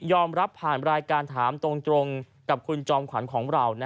รับผ่านรายการถามตรงกับคุณจอมขวัญของเรา